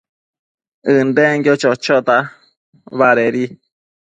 ënden chochota badedi